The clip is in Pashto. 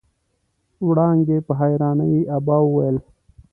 وړانګې په حيرانۍ ابا وويل.